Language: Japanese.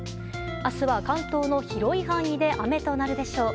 明日は関東の広い範囲で雨となるでしょう。